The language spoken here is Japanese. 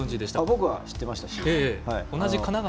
僕は知ってましたよ。